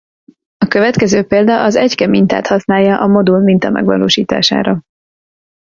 A következő példa az egyke mintát használja a modul minta megvalósítására.